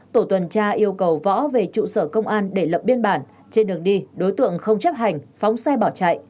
tổ tuần tra yêu cầu võ về trụ sở công an để lập biên bản trên đường đi đối tượng không chấp hành phóng xe bỏ chạy